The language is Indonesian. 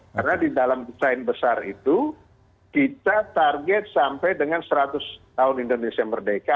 karena di dalam desain besar itu kita target sampai dengan seratus tahun indonesia merdeka